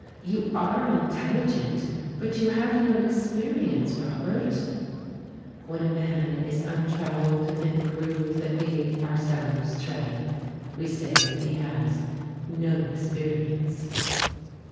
"You are intelligent, but you have no experience, Robert." When a man is untravelled in the groove that we ourselves tread, we say that he has "no experience."